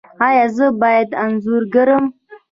ایا زه باید انځور کړم؟